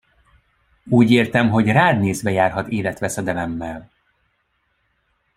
Úgy értem, hogy rád nézve járhat életveszedelemmel!